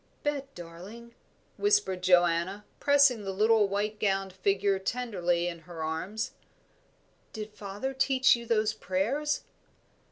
"Bet, darling," whispered Joanna, pressing the little white gowned figure tenderly in her arms, "did father teach you those prayers?"